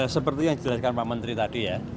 seperti yang dijelaskan pak menteri tadi ya